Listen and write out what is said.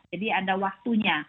jadi ada waktunya